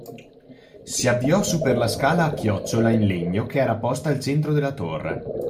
Si avviò su per la scala a chiocciola in legno che era posta al centro della torre